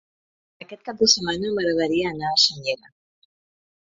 Aquest cap de setmana m'agradaria anar a Senyera.